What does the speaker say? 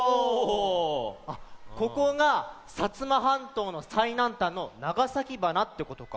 ここが摩半島のさいなんたんの長崎鼻ってことか。